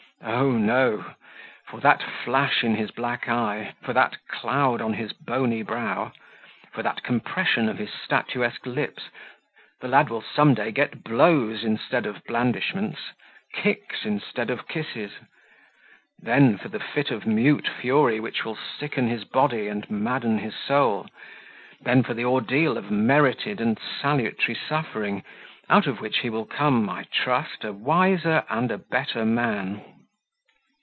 Oh, no! for that flash in his black eye for that cloud on his bony brow for that compression of his statuesque lips, the lad will some day get blows instead of blandishments kicks instead of kisses; then for the fit of mute fury which will sicken his body and madden his soul; then for the ordeal of merited and salutary suffering, out of which he will come (I trust) a wiser and a better man.